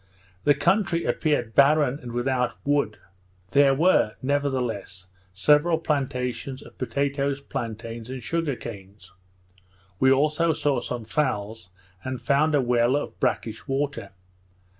The country appeared barren and without wood; there were, nevertheless, several plantations of potatoes, plantains, and sugar canes; we also saw some fowls, and found a well of brackish water.